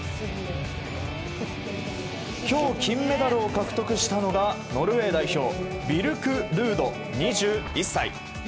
きょう、金メダルを獲得したのが、ノルウェー代表、ビルク・ルード２１歳。